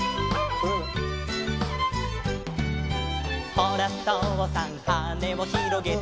「ほらとうさんはねをひろげて」